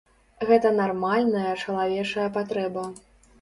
Гэта нармальная чалавечая патрэба.